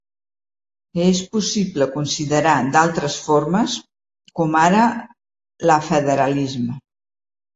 ‐ que és possible considerar d’altres formes, com ara la federalisme.